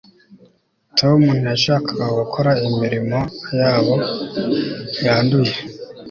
tom ntiyashakaga gukora imirimo yabo yanduye